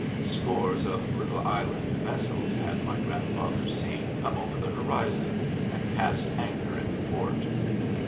Scores of little island vessels had my grandfather seen come over the horizon, and cast anchor in the port.